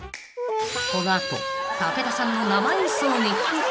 ［この後武田さんの生演奏に］